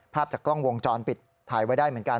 ภาพจากกล้องวงจรปิดถ่ายไว้ได้เหมือนกัน